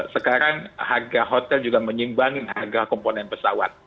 sekarang harga hotel juga menyimbangkan harga komponen pesawat